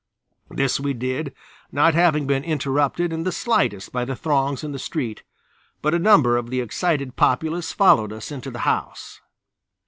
This we did, not having been interrupted in the slightest by the throngs in the street, but a number of the excited populace followed us into the house.